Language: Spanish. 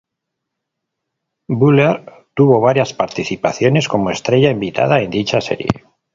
Buller tuvo varias participaciones como estrella invitada en dicha serie.